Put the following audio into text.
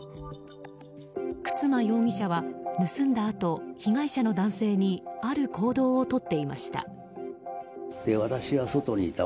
沓間容疑者は盗んだあと被害者の男性にある行動をとっていました。